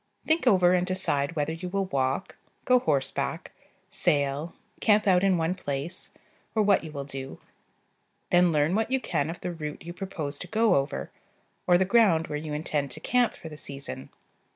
Think over and decide whether you will walk, go horseback, sail, camp out in one place, or what you will do; then learn what you can of the route you propose to go over, or the ground where you intend to camp for the season.